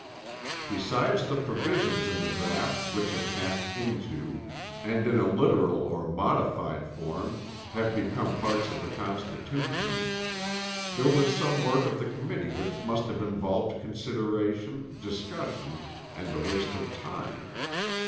Besides the provisions in the draught which have passed into, and in a literal or modified form, have become parts of the Constitution, there was some work of the committee which must have involved consideration, discussion, and a waste of time.